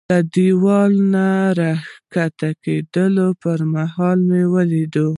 له دېوال نه د را کښته کېدو پر مهال مې ولیدلې.